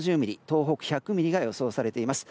東北１００ミリが予想されています。